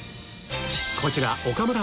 こちら岡村